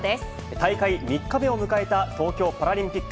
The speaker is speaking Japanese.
大会３日目を迎えた東京パラリンピック。